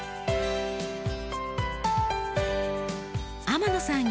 天野さん